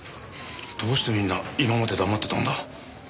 どうしてみんな今まで黙ってたんだ？